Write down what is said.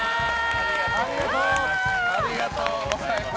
ありがとうございます。